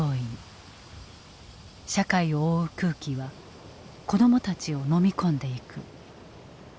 社会を覆う空気は子供たちをのみ込んでいく。